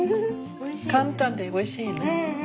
簡単でおいしいね。